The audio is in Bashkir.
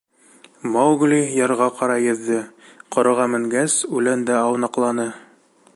Маугли ярға ҡарай йөҙҙө, ҡороға менгәс, үләндә аунаҡланы.